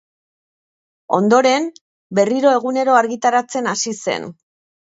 Ondoren, berriro egunero argitaratzen hasi zen.